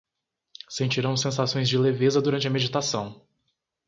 Sentirão sensações de leveza durante a meditação